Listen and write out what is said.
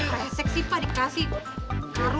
resek sih pak dikasih karung